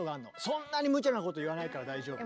そんなにむちゃなこと言わないから大丈夫。